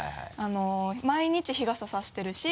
毎日日傘差してるし。